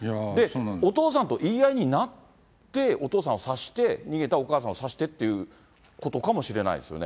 お父さんと言い合いになって、お父さんを刺して、逃げたお母さんを刺してっていうことかもしれないですよね。